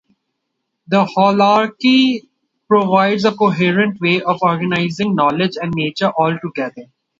The holarchy provides a coherent way of organizing knowledge and nature all together.